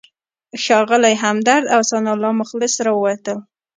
ښاغلی همدرد او ثناالله مخلص راووتل.